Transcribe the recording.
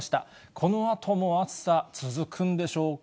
このあとも暑さ、続くんでしょうか。